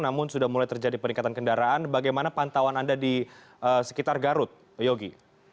namun sudah mulai terjadi peningkatan kendaraan bagaimana pantauan anda di sekitar garut yogi